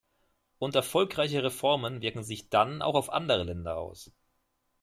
Und erfolgreiche Reformen wirken sich dann auch auf andere Länder aus.